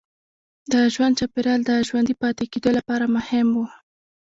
د ژوند چاپېریال د ژوندي پاتې کېدو لپاره مهم و.